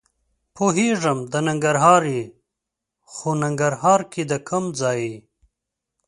پوهېږم د ننګرهار یې؟ خو ننګرهار کې د کوم ځای یې؟